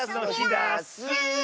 ダス！